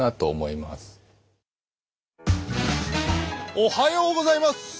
おはようございます！